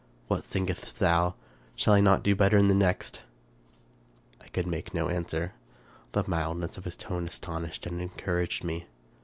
What thinkest thou ? Shall I not do better in the next ?" I could make no answer. The mildness of his tone aston ished and encouraged me.